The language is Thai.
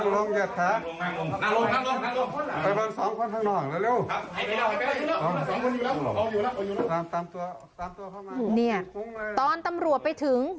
ต้องตามตัวต้องมาตอนตำรวจไปถึง